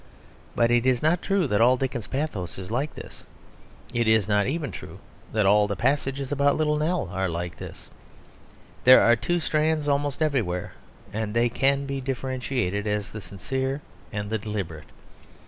But it is not true that all Dickens's pathos is like this; it is not even true that all the passages about Little Nell are like this; there are two strands almost everywhere and they can be differentiated as the sincere and the deliberate.